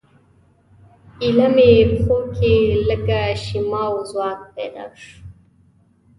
ایله مې پښو کې لږه شیمه او ځواک پیدا شو.